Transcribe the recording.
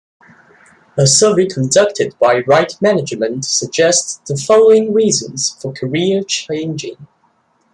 A survey conducted by Right Management suggests the following reasons for career changing.